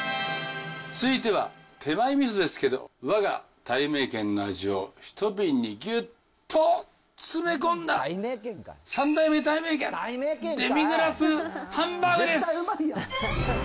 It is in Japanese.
続いては手前みそですけど、わがたいめいけんの味を一瓶にぎゅっと詰め込んだ、三代目たいめいけんデミグラスハンバーグです。